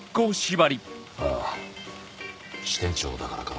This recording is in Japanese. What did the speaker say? ああ支店長だからかな。